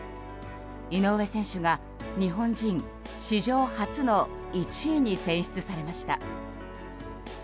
井上選手が日本人史上初の１位に選出されました。